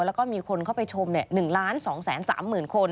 แล้วก็มีคนเข้าไปชม๑๒๓๐๐๐คน